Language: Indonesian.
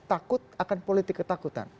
takut akan politik ketakutan